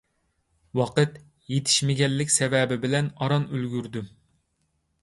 ۋاقىت يېتىشمىگەنلىك سەۋەبى بىلەن ئاران ئۈلگۈردۈم.